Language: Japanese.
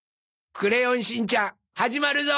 『クレヨンしんちゃん』始まるぞ。